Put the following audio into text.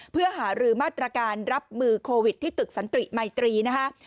เพื่อหารือมาตรการรับมือโควิดที่ตึกสันติมัยตรีนะคะ